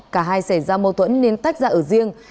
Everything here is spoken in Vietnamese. cả hai xảy ra mâu thuẫn nên tách ra ở riêng